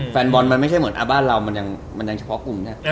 แฟนบอลมันไม่ใช่เหมือนอาบาลเรามันยังเฉพาะกุม